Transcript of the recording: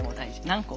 何個？